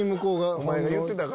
お前が言ってたか？